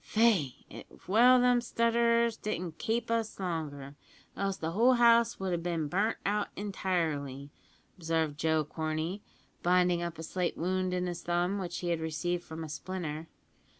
"Faix, it's well them stutterers didn't kape us longer, else the whole house would have bin burnt out intirely," observed Joe Corney, binding up a slight wound in his thumb, which he had received from a splinter.